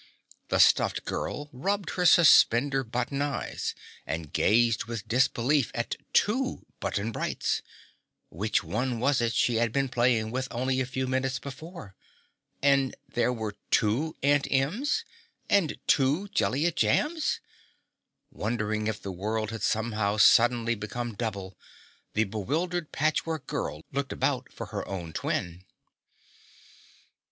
The stuffed girl rubbed her suspender button eyes and gazed with disbelief at two Button Brights which one was it she had been playing with only a few minutes before? And there were two Aunt Ems and two Jellia Jambs! Wondering if the world had somehow suddenly become double, the bewildered Patchwork Girl looked about for her own twin.